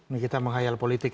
ini kita menghayal politik